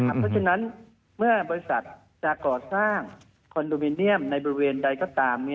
เพราะฉะนั้นเมื่อบริษัทจะก่อสร้างคอนโดมิเนียมในบริเวณใดก็ตาม